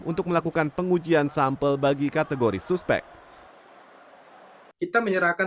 untuk melakukan pengujian dan pengawasan